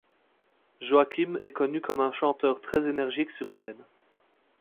Joakim est connu comme un chanteur très énergique sur scène.